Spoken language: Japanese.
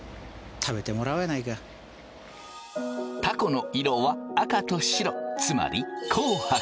たこの色は赤と白つまり紅白。